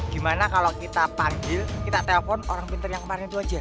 gimana kalau kita panggil kita telepon orang pintar yang kemarin itu aja